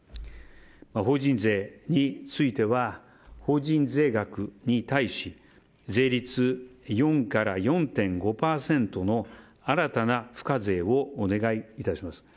法人税については法人税額に対し税率４から４．５％の新たな付加税をお願いいたします。